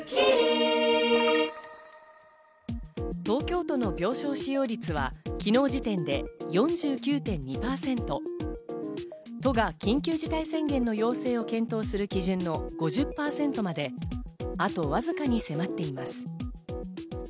東京都の病床使用率は昨日時点で４９．２％都が緊急事態宣言の要請を検討する基準の５０％まであとわずかに迫っています。